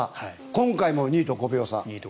今回も２位と５秒差。